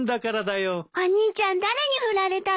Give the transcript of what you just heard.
お兄ちゃん誰にふられたの？